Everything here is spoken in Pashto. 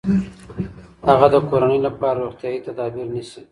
هغه د کورنۍ لپاره روغتیايي تدابیر نیسي.